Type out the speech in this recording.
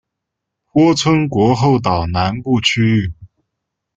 泊村国后岛南部区域。